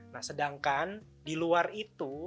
nah sedangkan di luar itu